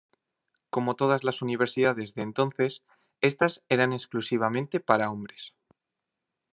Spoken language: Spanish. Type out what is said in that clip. Como todas las universidades de entonces, estas eran exclusivamente para hombres.